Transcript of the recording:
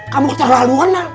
kamu kecelaluan lah